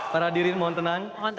paladiri mohon tenang